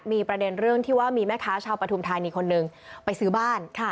มีประเด็นเรื่องที่ว่ามีแม่ค้าชาวปฐุมธานีคนหนึ่งไปซื้อบ้าน